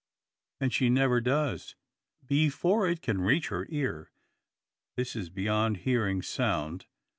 And she never does. Before it can reach her ear, this is beyond hearing sound.